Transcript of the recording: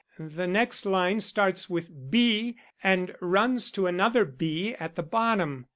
The next line starts with B and runs to another B at the bottom.